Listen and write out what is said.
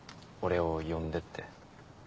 俺を呼んでって。